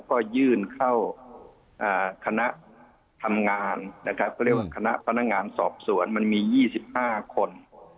ก็ยื่นเข้าคณะทำงานนะครับเขาเรียกว่าคณะพนักงานสอบสวนมันมี๒๕คน